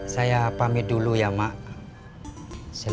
saya pamit dulu ya mak